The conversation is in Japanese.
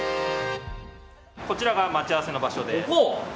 こちらが待ち合わせの場所です。